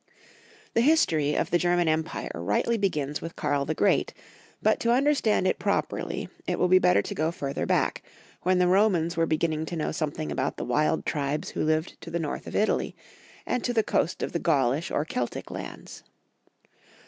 T^HE history of the German Empire rightly ^ begins with Karl the Great, but to under stand it properly it will be better to go further back, when the Romans were beginning to know something about the wild tribes who lived to the north of Italy, and to the coast of the Gaulish or Keltic lands.